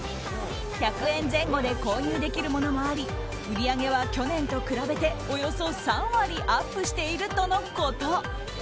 １００円前後で購入できるものもあり売り上げは去年と比べておよそ３割アップしているとのこと。